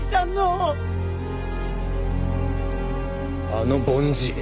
あの梵字。